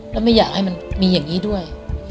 แล้วไม่อยากให้มันมีอย่างนี้ด้วย